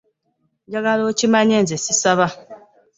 Njagala okimanye nze ssisaba.